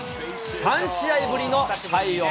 ３試合ぶりの快音。